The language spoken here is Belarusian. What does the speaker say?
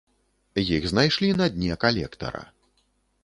Іх знайшлі на дне калектара.